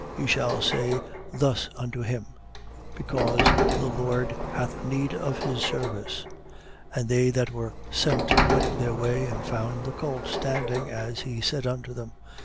You shall say thus unto him: Because the Lord hath need of his service. 19:32. And they that were sent went their way and found the colt standing, as he said unto them.